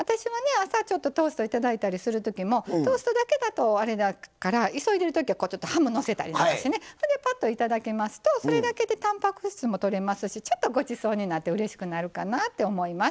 朝ちょっとトーストを頂いたりする時もトーストだけだとあれだから急いでる時はハムのせたりしてぱっと頂きますとそれだけでたんぱく質もとれますしちょっとごちそうになってうれしくなるかなって思います。